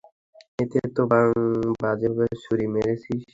একে তো বাজেভাবে ছুরি মেরেছিস।